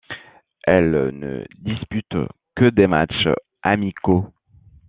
Elle ne dispute que des matches amicaux.